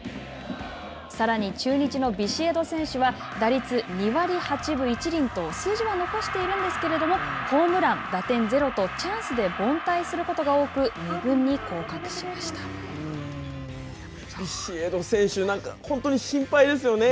さらに中日のビシエド選手は、打率２割８分１厘と数字は残しているんですけれども、ホームラン、打点０と、チャンスで凡退することが多く、２軍に降ビシエド選手、本当に心配ですよね。